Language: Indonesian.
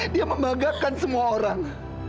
dia membanggakan semua orang